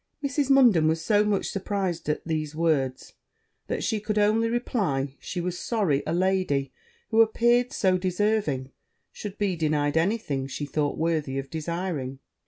Mrs. Munden was so much surprized at these words, that she could only reply, she was sorry a lady, who appeared so deserving, should be denied any thing she thought worthy of desiring.